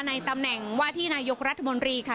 ในตำแหน่งว่าที่นายกรัฐมนตรีค่ะ